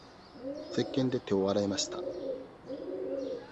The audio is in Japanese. せっけんで手を洗いました。